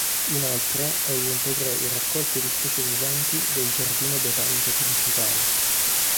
Inoltre, egli integrò le raccolte di specie viventi del Giardino botanico principale.